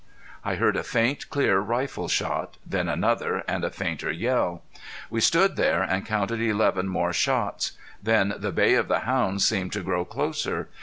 I heard a faint clear rifle shot. Then another, and a fainter yell. We stood there and counted eleven more shots. Then the bay of the hounds seemed to grow closer.